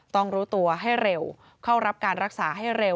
ต้องรู้ตัวให้เร็วเข้ารับการรักษาให้เร็ว